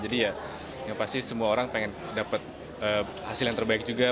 jadi ya yang pasti semua orang pengen dapet hasil yang terbaik juga